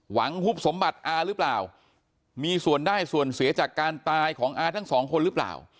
หุบสมบัติอาหรือเปล่ามีส่วนได้ส่วนเสียจากการตายของอาทั้งสองคนหรือเปล่า